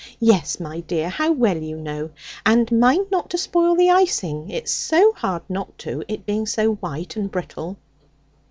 'Yes, my dear. How well you know! And mind not to spoil the icing; it's so hard not to, it being so white and brittle.'